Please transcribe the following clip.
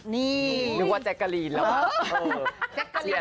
นี่นุ๊คว่าเจคกาลีนเออเจคกาลีน